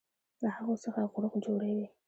له هغو څخه غروق جوړوي